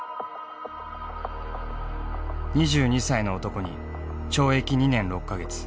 ２２歳の男に懲役２年６か月。